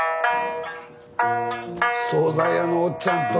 総菜屋のおっちゃんと。